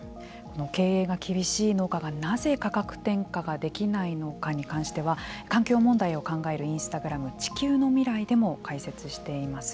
経営が厳しい農家がなぜ価格転嫁ができないのかに関しては環境問題を考えるインスタグラム「地球のミライ」でも解説しています。